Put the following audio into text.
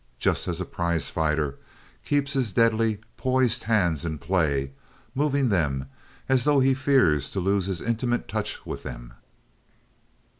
Just as a prize fighter keeps his deadly, poised hands in play, moving them as though he fears to lose his intimate touch with them.